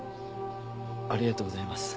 ありがとうございます。